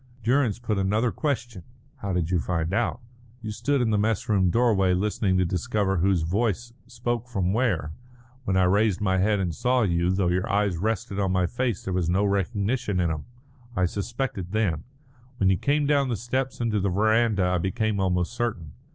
Durrance put another question: "How did you find out?" "You stood in the mess room doorway listening to discover whose voice spoke from where. When I raised my head and saw you, though your eyes rested on my face there was no recognition in them. I suspected then. When you came down the steps into the verandah I became almost certain.